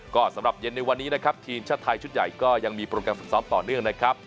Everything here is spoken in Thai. ก็สำหรับเย็นในวันนี้นะครับทีมชาติไทยชุดใหญ่ก็ยังมีโปรแกรมฝึกซ้อมต่อเนื่องนะครับ